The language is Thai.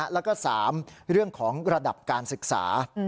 แล้วก็๓เรื่องของระดับการศึกษา